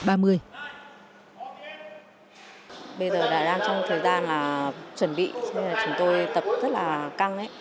bây giờ đã đang trong thời gian chuẩn bị chúng tôi tập rất là căng